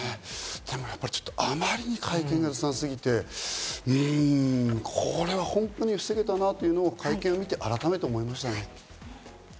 あまりに会見がずさんすぎて、これは本当に防げたなと会見を見て改めて思いましたね。